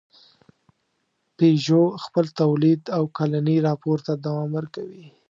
پيژو خپل تولید او کلني راپور ته دوام ورکوي.